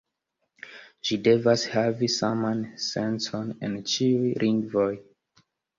Ĝi devas havi saman sencon en ĉiuj lingvoj.